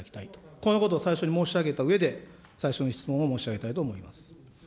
このことを最初に申し上げたうえで、最初の質問を申し上げたいと思います。